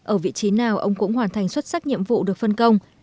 ở vị trí nào ông cũng hoàn thành xuất sắc nhiệm vụ được phân công